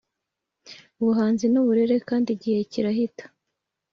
ubuhanzi ni burebure, kandi igihe kirahita,